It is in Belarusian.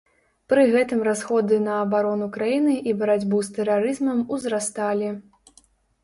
Пры гэтым расходы на абарону краіны і барацьбу з тэрарызмам узрасталі.